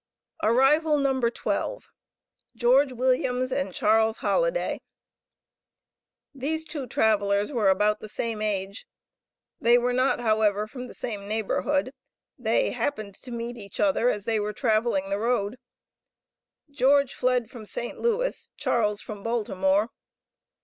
Arrival No. 12. George Williams and Charles Holladay. These two travelers were about the same age. They were not, however, from the same neighborhood they happened to meet each other as they were traveling the road. George fled from St. Louis, Charles from Baltimore.